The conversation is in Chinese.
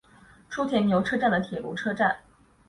初田牛车站的铁路车站。